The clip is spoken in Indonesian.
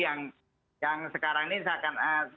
yang sekarang ini saya akan